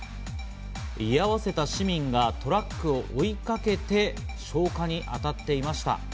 居合わせた市民がトラックを追いかけて消火に当たっていました。